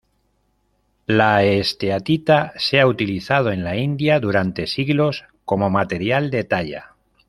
La esteatita se ha utilizado en la India durante siglos como material de talla.